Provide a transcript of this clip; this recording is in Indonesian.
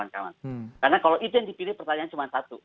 karena kalau itu yang dipilih pertanyaan cuma satu